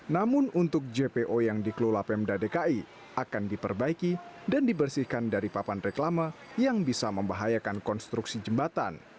namun untuk jpo yang dikelola pemda dki akan diperbaiki dan dibersihkan dari papan reklama yang bisa membahayakan konstruksi jembatan